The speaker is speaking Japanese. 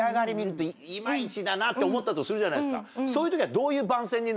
だなって思ったとするじゃないですか。